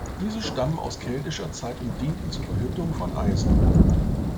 Diese stammen aus keltischer Zeit und dienten zur Verhüttung von Eisen.